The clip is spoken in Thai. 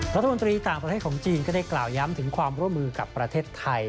รัฐมนตรีต่างประเทศของจีนก็ได้กล่าวย้ำถึงความร่วมมือกับประเทศไทย